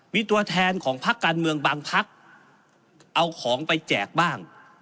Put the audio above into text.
มีตัวแทนของพักการเมืองบางพักเอาของไปแจกบ้าง